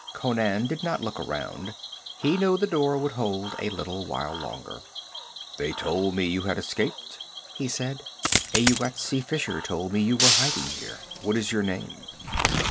Conan did not look around. He knew the door would hold a little while longer. 'They told me you had escaped,' he said. 'A Yuetshi fisher told me you were hiding here. What is your name?'